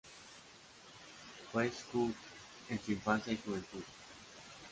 Fue Scout en su infancia y juventud.